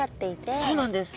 そうなんです。